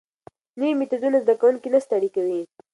نوي میتودونه زده کوونکي نه ستړي کوي.